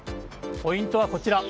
ポイントはこちら。